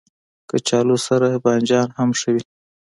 کچالو سره بانجان هم ښه وي